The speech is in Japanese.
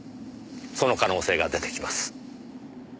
その可能性が出てきます。